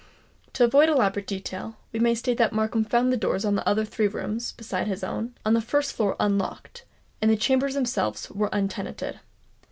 To avoid elaborate detail, we may state that Markham found the doors of the other three rooms (besides his own) on the first floor unlocked, and the chambers themselves untenanted.